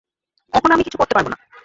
এখন আমি কিছু করতে পারব না।